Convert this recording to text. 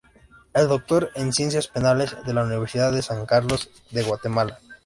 Es doctor en Ciencias Penales de la Universidad de San Carlos, de Guatemala.